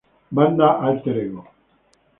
Banda alter-ego